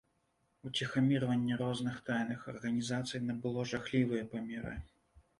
Уціхамірванне розных тайных арганізацый набыло жахлівыя памеры.